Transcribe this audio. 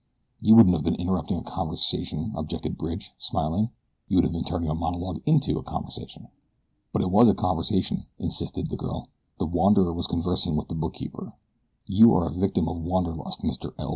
"You wouldn't have been interrupting a conversation," objected Bridge, smiling; "you would have been turning a monologue into a conversation." "But it was a conversation," insisted the girl. "The wanderer was conversing with the bookkeeper. You are a victim of wanderlust, Mr. L.